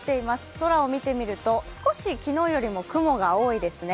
空を見てみると少し昨日よりも雲が多いですね。